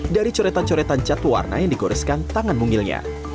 dari coretan coretan cat warna yang digoreskan tangan mungilnya